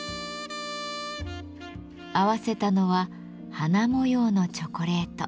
合わせたのは花模様のチョコレート。